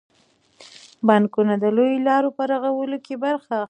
بانکونه د لویو لارو په رغولو کې برخه اخلي.